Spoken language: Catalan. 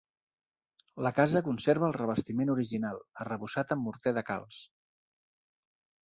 La casa conserva el revestiment original, arrebossat amb morter de calç.